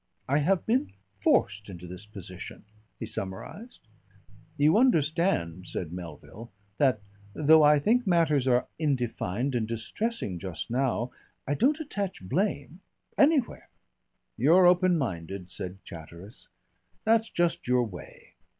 "I have been forced into this position," he summarised. "You understand," said Melville, "that though I think matters are indefined and distressing just now I don't attach blame anywhere." "You're open minded," said Chatteris. "That's just your way.